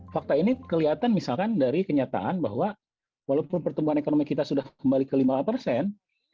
fakta ini kelihatan misalkan dari kenyataan bahwa walaupun pertumbuhan ekonomi kita sudah kembali ke lima persen